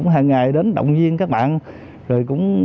hàng ngày đến động viên các bạn